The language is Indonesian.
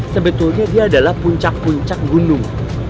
sebetulnya dia adalah puncak puncak gunung